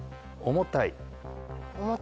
重たい。